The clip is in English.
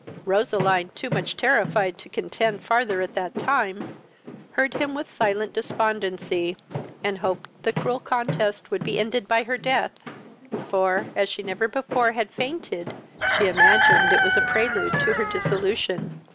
Roseline, too much terrified to contend farther at that time, heard him with silent despondency, and hoped the cruel contest would be ended by her death; for, as she never before had fainted she imagined it was a prelude to her dissolution.